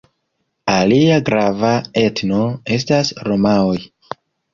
Alia grava etno estas romaoj.